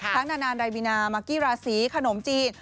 ทั้งนานาไรบีนามากกี้ราซีขนมจีน